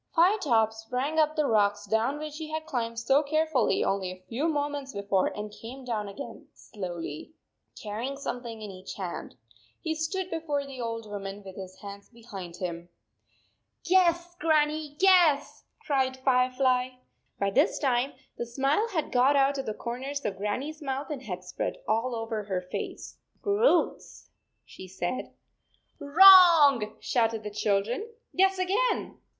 Firetop sprang up the rocks down which he had climbed so carefully only a few mo ments before, and came down again slowly, H carrying something in each hand. He stood before the old woman with his hands be hind him. 15 " Guess, Grannie, guess !" cried Firefly. By this time, the smile had got out of the corners of Grannie s mouth and had spread all over her face. " Roots," she said. " Wrong," shouted the children. " Guess again."